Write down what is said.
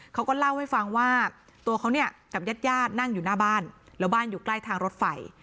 เขาก็เล่าให้ฟังว่าตัวเขาเนี่ยกับญาติญาตินั่งอยู่หน้าบ้านแล้วบ้านอยู่ใกล้ทางรถไฟ